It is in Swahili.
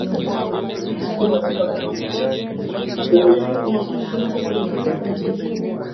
shule katika mkoa Kilimanjaro zimezidi sana idadi ya shule katika mikoa mingine yoteNi